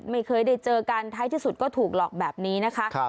ไม่เคยได้เจอกันท้ายที่สุดก็ถูกหลอกแบบนี้นะคะ